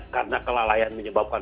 karena kelalaian menyebabkan